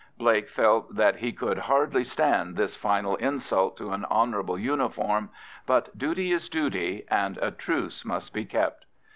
Blake felt that he could hardly stand this final insult to an honourable uniform; but duty is duty, and a truce must be kept.